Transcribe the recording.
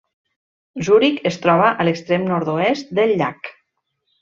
Zuric es troba a l'extrem nord-oest del llac.